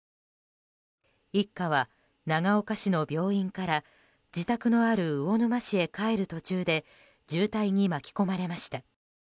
一家は、長岡市の病院から自宅のある魚沼市へ帰る途中で渋滞に巻き込まれました。